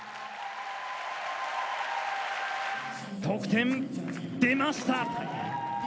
得点出ました。